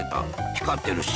光ってるし。